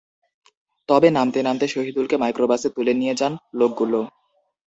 তবে নামতে নামতে শহিদুলকে মাইক্রোবাসে তুলে নিয়ে যান লোকগুলো।